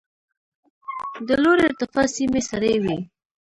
د لوړې ارتفاع سیمې سړې وي.